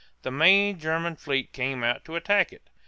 The main German fleet came out to attack it.